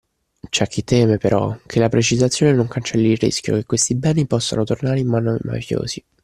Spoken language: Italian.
C’è chi teme, però, che la precisazione non cancelli il rischio che questi beni possano tornare in mano ai mafiosi